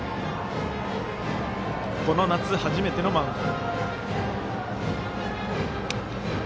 この夏、初めてのマウンド。